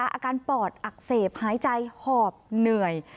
อาการปอดอักเสบหายใจหอบเหนื่อย